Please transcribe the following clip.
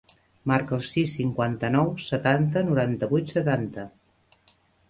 Marca el sis, cinquanta-nou, setanta, noranta-vuit, setanta.